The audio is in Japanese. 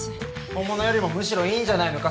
本物よりもむしろいいんじゃないのか？